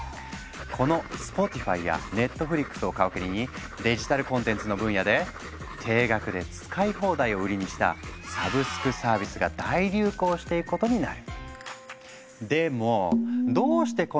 この「スポティファイ」や「ネットフリックス」を皮切りにデジタルコンテンツの分野で定額で使い放題を売りにしたサブスクサービスが大流行していくことになる。